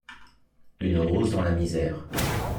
Une rose dans la misère